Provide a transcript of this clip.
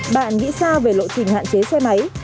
bạn nghĩ sao về lộ trình hạn chế xe máy